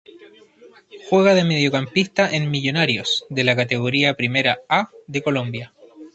Juega de Mediocampista en Millonarios de la Categoría Primera A de Colombia.